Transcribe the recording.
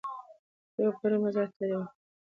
زه پرون بازار ته تللي وم